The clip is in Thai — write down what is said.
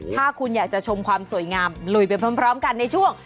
ถ้าคุณอยากจะชมความสวยงามลุยไปพร้อมกันในช่วง